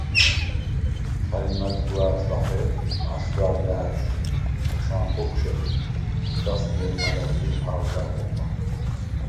ქა̈რი მა̈ზგუვა̄̈რს ლახე ასვა̈რ ლა̄̈თშვ ხოშა̄მ ხოკვშეხ, ეჯას მე̄რმა ლა̈დღი ჰა̄ვდა̈რ ხოხა.